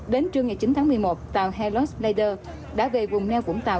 đến trưa ngày chín tháng một mươi một tàu helos lader đã về vùng neo vũng tàu